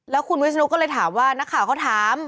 แล้วคุณวิศนุก็เลยถามว่านักข่าวเขาถาม